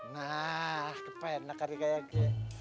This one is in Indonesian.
nah kebaiknya karyak karyaknya